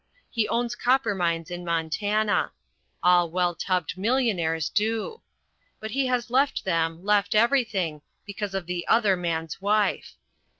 He owns copper mines in Montana. All well tubbed millionaires do. But he has left them, left everything, because of the Other Man's Wife.